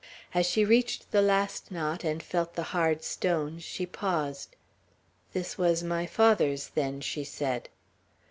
As she reached the last knot, and felt the hard stones, she paused. "This was my father's, then." she said.